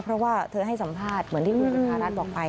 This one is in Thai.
เพราะว่าเธอให้สัมภาษณ์เหมือนที่คุณจุธารัฐบอกไป